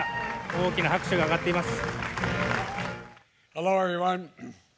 大きな拍手が上がっています。